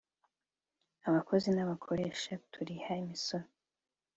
abakozi n'abakoresha turiha imisoro